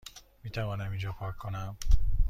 میتوانم اینجا پارک کنم؟